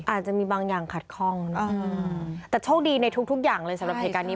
อาจจะมีบางอย่างขัดข้องแต่โชคดีในทุกอย่างเลยสำหรับเหตุการณ์นี้